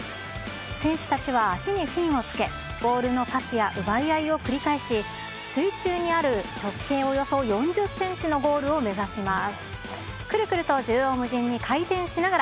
選手たちは足にフィンをつけ、ボールのパスや奪い合いを繰り返し、水中にある直径およそ４０センチのゴールを目指します。